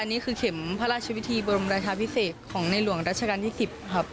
นี่คือเข็มพระราชวิธีบรมราชาพิเศษของในหลวงรัชกาลที่๑๐ครับ